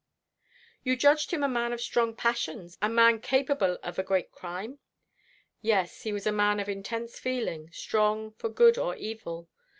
"You judged him a man of strong passions, a man capable of a great crime?" "Yes, he was a man of intense feeling, strong for good or evil.